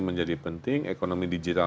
menjadi penting ekonomi digital